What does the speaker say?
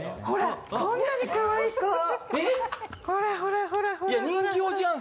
ほら、こんなにかわいい子。